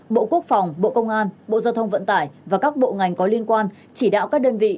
bộ quốc phòng bộ công an bộ giao thông vận tải và các bộ ngành có liên quan chỉ đạo các đơn vị